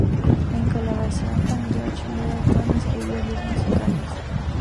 En colaboración con George Middleton escribió diez musicales.